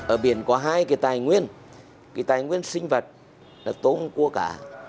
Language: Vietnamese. ở biển có hai cái tài nguyên cái tài nguyên sinh vật là tốn cua cả